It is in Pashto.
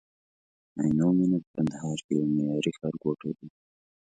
عینومېنه په کندهار کي یو معیاري ښارګوټی دی